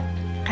ndi jedenak kan